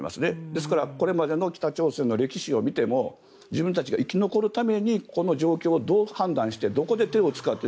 ですから、これまでの北朝鮮の歴史を見ても自分たちが生き残るためにこの状況をどう判断してどこで手を打つかと。